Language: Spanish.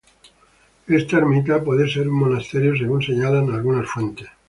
Esta ermita pudo ser un monasterio según señalan algunas fuentes.